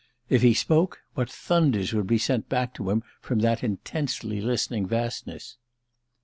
If he spoke, what thunders would be sent back to him from that intently listening vastness?